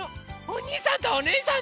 おにいさんおねえさん！